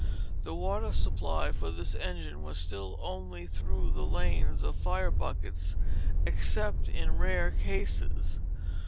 The water supply for this engine was still only through the lanes of fire buckets, except in rare cases.